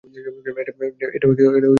এটা গুরুত্বপূর্ণ না।